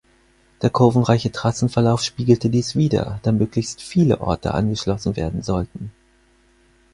Der kurvenreiche Trassenverlauf spiegelte dies wider, da möglichst viele Orte angeschlossen werden sollten.